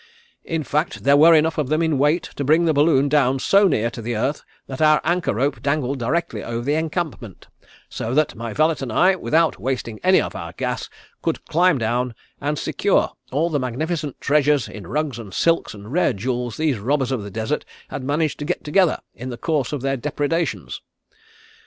In fact, there were enough of them in weight to bring the balloon down so near to the earth that our anchor rope dangled directly over the encampment, so that my valet and I, without wasting any of our gas, could climb down and secure all the magnificent treasures in rugs and silks and rare jewels these robbers of the desert had managed to get together in the course of their depredations.